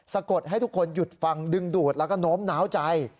กดให้ทุกคนหยุดฟังดึงดูดแล้วก็โน้มน้าวใจ